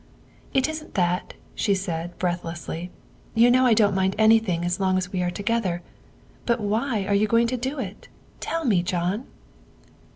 " It isn't that," she said breathlessly; " you know I don't mind anything as long as we are together. But why are you going to do it, tell me, John.